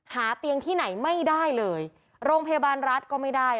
หาเตียงที่ไหนไม่ได้เลยโรงพยาบาลรัฐก็ไม่ได้